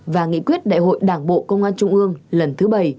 và nghị quyết đại hội đảng bộ công an trung ương lần thứ bảy